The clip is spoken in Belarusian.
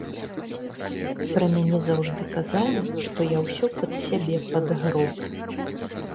Пра мяне заўжды казалі, што я ўсё пад сябе падгроб.